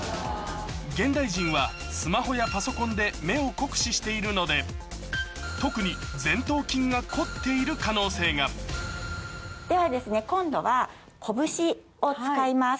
現代人はスマホやパソコンで目を酷使しているので特に前頭筋が凝っている可能性がでは今度は拳を使います。